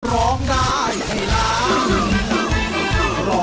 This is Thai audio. ร้องได้ให้ร้อง